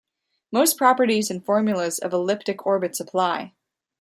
Most properties and formulas of elliptic orbits apply.